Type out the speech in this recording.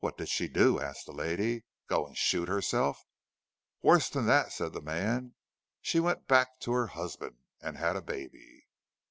"What did she do?" asked the lady "Go and shoot herself?" "Worse than that," said the man. "She, went back to her husband and had a baby!"